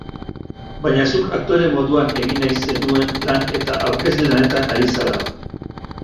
Baina zuk aktore moduan egin nahi zenuen lan eta aurkezle lanetan ari zara.